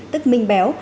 tức minh béo